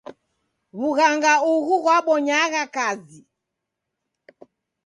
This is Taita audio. W'ughanga ughu ghwabonyagha kazi.